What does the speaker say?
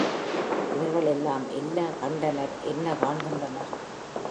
இவர்கள் எல்லாம் என்ன கண்டனர் என்ன காண்கின்றனர்?